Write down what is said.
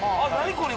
これ。